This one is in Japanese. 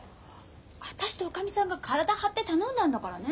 私とおかみさんが体張って頼んだんだからね。